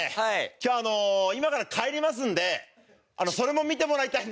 今日今から帰りますんでそれも見てもらいたいんですよ。